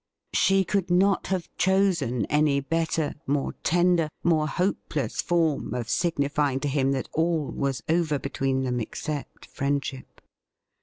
She could not have chosen any better, more tender, more hopeless form of signifying to him that all was over between them except friendship.